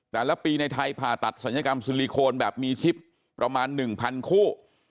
แต่ละปีในไทยผ่าตัดศัลยกรรมซิลิโคนแบบมีชิปประมาณ๑๐๐คู่